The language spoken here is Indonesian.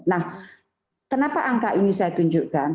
nah kenapa angka ini saya tunjukkan